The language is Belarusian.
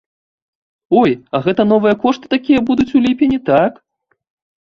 Ой, а гэта новыя кошты такія будуць у ліпені, так?